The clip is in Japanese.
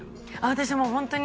私もうホントに。